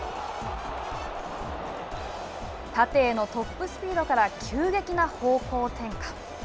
縦へのトップスピードから急激な方向転換。